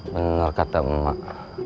bener kata emak